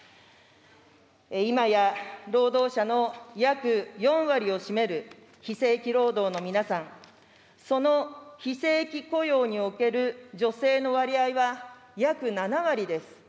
今や、労働者の約４割を占める非正規労働の皆さん、その非正規雇用における女性の割合は、約７割です。